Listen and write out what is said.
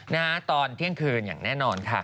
ไม่ใช่นะ